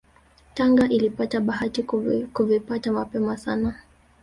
Tanga ilipata bahati kuvipata mapema sana